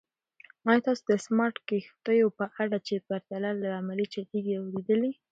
ایا تاسو د سمارټ کښتیو په اړه چې پرته له عملې چلیږي اورېدلي؟